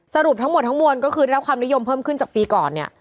สรุปทั้งหมดทั้งมวลก็คือได้รับความนิยมเพิ่มขึ้นจากปีก่อนเนี่ย